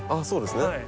そうですね。